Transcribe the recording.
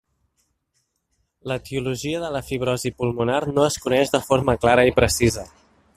L'etiologia de la fibrosi pulmonar no es coneix de forma clara i precisa.